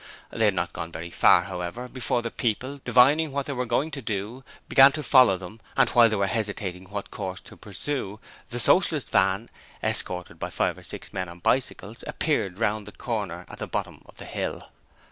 They had not gone very far, however, before the people, divining what they were going to do, began to follow them and while they were hesitating what course to pursue, the Socialist van, escorted by five or six men on bicycles, appeared round the corner at the bottom of the hill.